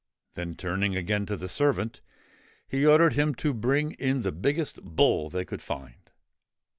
Then turning again to the servant, he ordered him to bring in the biggest bull they could find.